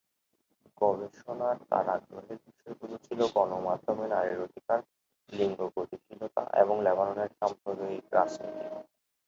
গবেষণার তার আগ্রহের বিষয়গুলো ছিল গণমাধ্যমে নারীর অধিকার, লিঙ্গ গতিশীলতা এবং লেবাননের সাম্প্রদায়িক রাজনীতি।